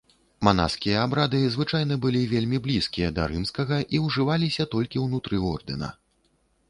Манаскія абрады звычайна былі вельмі блізкія да рымскага і ўжываліся толькі ўнутры ордэна.